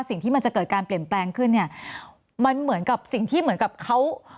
สิ่งที่มันจะเกิดการเปลี่ยนแปลงขึ้นเนี่ยมันเหมือนกับสิ่งที่เหมือนกับเขา